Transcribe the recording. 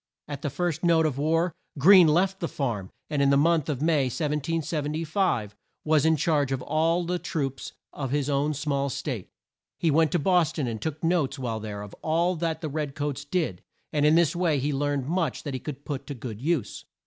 At the first note of war, Greene left the farm and in the month of May, 1775, was in charge of all the troops of his own small state. He went to Bos ton, and took notes while there of all that the red coats did, and in this way learned much that he could put to good use.